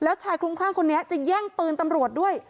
แล้วชายคลุมข้างคนนี้จะแย่งปืนตำรวจด้วย